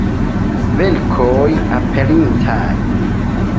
Verkoj aperintaj.